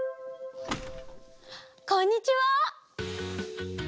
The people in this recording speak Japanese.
こんにちは！